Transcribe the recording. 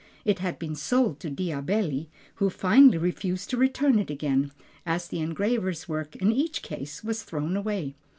It had been sold to Diabelli, who finally refused to return it again, as the engraver's work in each case was thrown away.